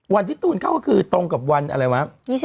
ตูนเข้าก็คือตรงกับวันอะไรวะ